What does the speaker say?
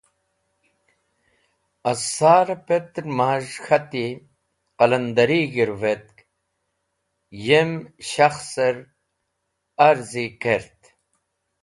Az sar-e petr maz̃h k̃hati qalandari g̃hirũvetk, yem shakhser arzi kert.